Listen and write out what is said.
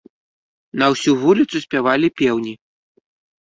На ўсю вуліцу спявалі пеўні.